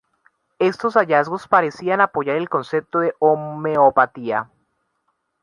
Estos hallazgos parecían apoyar el concepto de homeopatía.